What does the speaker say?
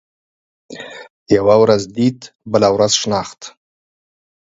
يوه ورځ ديد ، بله ورځ شناخت.